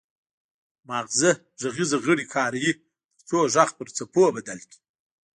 مغزه غږیز غړي کاروي ترڅو غږ پر څپو بدل کړي